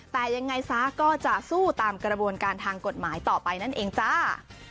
แต่ยังไงซะก็จะสู้ตามกระบวนการทางกฎหมายต่อไปนั่นเองจ้า